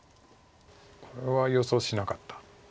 これは予想しなかった。